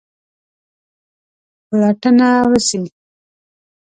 پلټنه وسي.